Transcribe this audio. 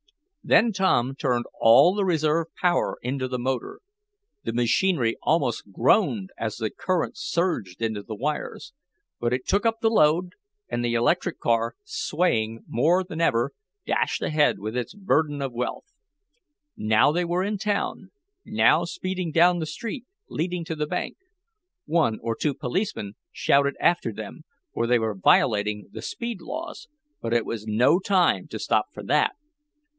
Then Tom turned all the reserve power into the motor. The machinery almost groaned as the current surged into the wires, but it took up the load, and the electric car, swaying more than ever, dashed ahead with its burden of wealth. Now they were in the town, now speeding down the street leading to the bank. One or two policemen shouted after them, for they were violating the speed laws, but it was no time to stop for that.